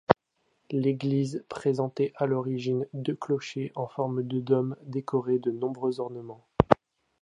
L'église présentait à l'origine deux clochers en forme de dôme décorés de nombreux ornements.